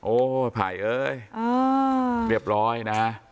โอ้แผ่เอยเรียบร้อยนะ